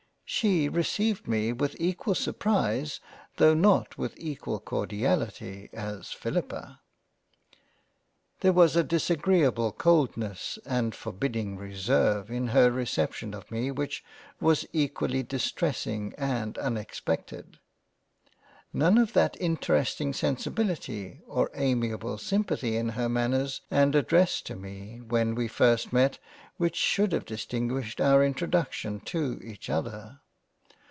She received m( with equal surprise though not with equal Cordiality, Philippa. There was a disagreable coldness and Forbidding Reserve in her reception of me which was equally distressinj and Unexpected. None of that interesting Sensibility or amiable simpathy in her manners and Address to me whei we first met which should have distinguished our introduction to each other.